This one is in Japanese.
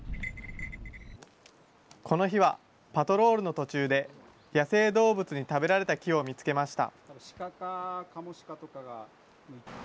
この日はパトロールの途中で、野生動物に食べられた木を見つけました。